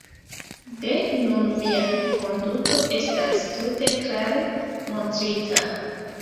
De nun mia konduto estas tute klare montrita.